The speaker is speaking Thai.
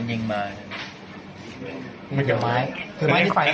อ๋อยิงแล้วนะมันยื่นมาแล้ว